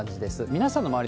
皆さんの周り